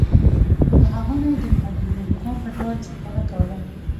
له هغو نه یې د مهاجرینو د کمپ په ډول استفاده کوله.